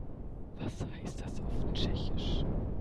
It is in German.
Was heißt das auf Tschechisch?